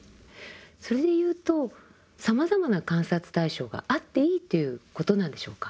それでいうとさまざまな観察対象があっていいということなんでしょうか？